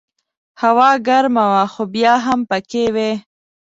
هوا ګرمه وه خو بیا هم پکې وې.